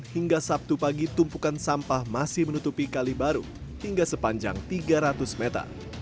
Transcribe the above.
hingga sabtu pagi tumpukan sampah masih menutupi kali baru hingga sepanjang tiga ratus meter